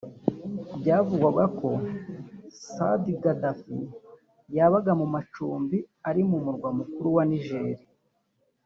Byavugwaga ko Saadi Gaddafi yabaga mu macumbi ari mu murwa mukuru wa Niger